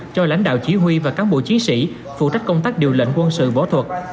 cho lãnh đạo chỉ huy và cán bộ chiến sĩ phụ trách công tác điều lệnh quân sự võ thuật